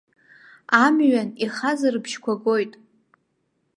Амҩан ихаз рыбжьқәа гоит.